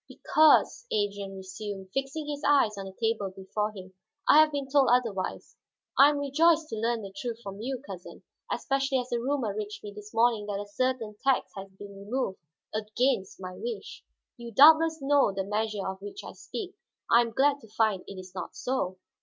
"Because," Adrian resumed, fixing his eyes on the table before him, "I have been told otherwise. I am rejoiced to learn the truth from you, cousin; especially as a rumor reached me this morning that a certain tax had been removed, against my wish. You doubtless know the measure of which I speak. I am glad to find it is not so."